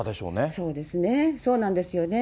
そうですね、そうなんですよね。